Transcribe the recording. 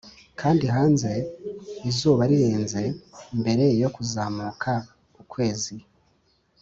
kandi hanze o 'izuba rirenze, mbere yo kuzamuka o' ukwezi,